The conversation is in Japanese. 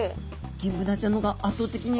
ギンブナちゃんの方が圧倒的に。